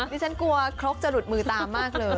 ฉันกลัวครกจะหลุดมือตามมากเลย